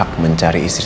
nganggap aku di sini